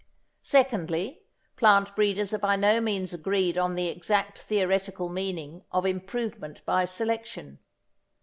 Secondly, plant breeders are by no means agreed on the exact theoretical meaning of improvement by selection.